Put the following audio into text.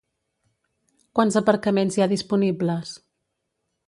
Quants aparcaments hi ha disponibles?